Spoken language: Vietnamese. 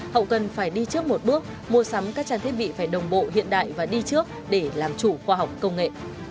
hậu cần phải đi trước một bước mua sắm các trang thiết bị phải đồng bộ hiện đại và đi trước để làm chủ khoa học công nghệ